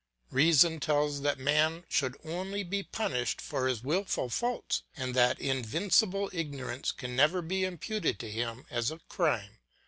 Reason tells that man should only be punished for his wilful faults, and that invincible ignorance can never be imputed to him as a crime.